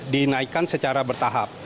dinaikkan secara bertahap